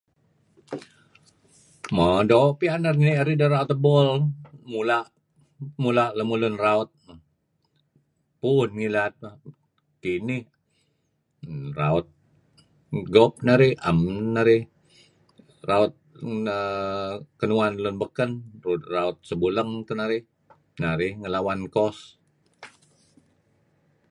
Mo, doo' pian narih ni'er ideh raut ebol. Mula' ... mula' lemulun raut... pu'un ngilad neh. Kinih... raut... gop narih. 'Em narih... raut...[naaa] kinuan lun beken. Raut sebuleng teh narih. Narih ngelawan course.